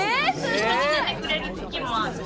一緒に寝てくれる時もあるし。